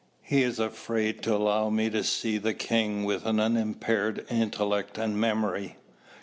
He is afraid to allow me to see the king with an unimpaired intellect and memory.